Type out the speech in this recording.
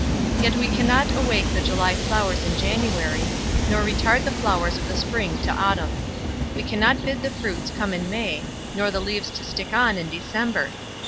Yet we cannot awake the July flowers in January, nor retard the flowers of the spring to autumn. We cannot bid the fruits come in May, nor the leaves to stick on in December.